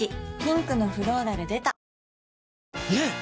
ピンクのフローラル出たねえ‼